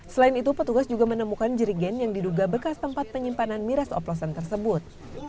selain itu petugas juga menemukan jerigen yang diduga bekas tempat penyimpanan miras oplosan tersebut